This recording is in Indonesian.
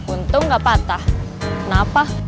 untung gak patah kenapa